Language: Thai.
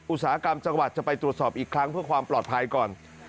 อุตสาหกรรมจังหวัดจะไปตรวจสอบอีกครั้งเพื่อความปลอดภัยก่อน